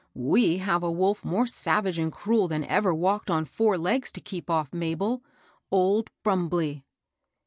" We have a wolf more savage and cruel than ever walked on four legs to keep off, Mabel, — old Brumbley."